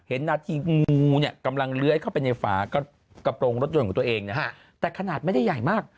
เห็นนาทีงูเนี่ยกำลังเลื้อยเข้าไปในฝากระโปรงรถยนต์ของตัวเองนะฮะแต่ขนาดไม่ได้ใหญ่มาก